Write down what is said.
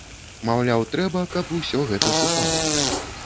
Маўляў, трэба, каб усё гэта супала.